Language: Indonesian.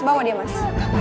mas bawa dia mas